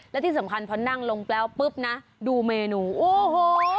และที่สำคัญพอนั่งลงแล้วปุ๊บนะดูเมนูโอ้โห